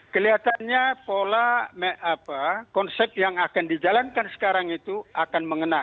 kelihatannya pola konsep yang akan dijalankan sekarang itu akan mengena